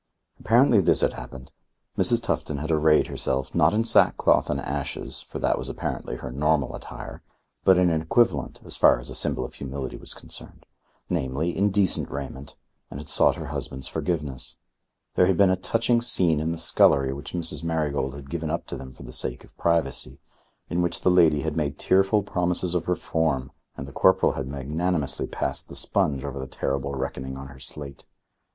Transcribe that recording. Apparently this had happened: Mrs. Tufton had arrayed herself, not in sackcloth and ashes, for that was apparently her normal attire, but in an equivalent, as far as a symbol of humility was concerned; namely, in decent raiment, and had sought her husband's forgiveness. There had been a touching scene in the scullery which Mrs. Marigold had given up to them for the sake of privacy, in which the lady had made tearful promises of reform and the corporal had magnanimously passed the sponge over the terrible reckoning on her slate.